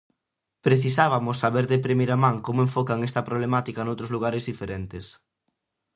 Precísabamos saber de primeira man como enfocan esta problemática noutros lugares diferentes.